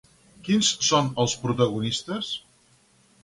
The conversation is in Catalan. Quins són els protagonistes?